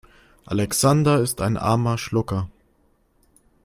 Alexander ist ein armer Schlucker.